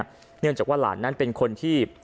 เนื่องจากว่าหลานนั้นเป็นคนที่